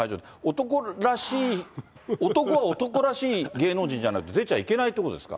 男らしい、男が男らしい芸能人じゃないと出ちゃいけないってことですか。